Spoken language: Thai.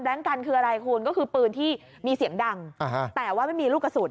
ปลอกกระสุนเนี่ยเพียบเลยอ่ะคุณ